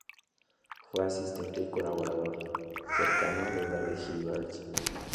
Fue asistente y colaborador cercano de David Hilbert.